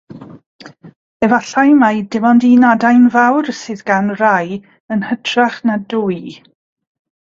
Efallai mai dim ond un adain fawr sydd gan rai yn hytrach na dwy.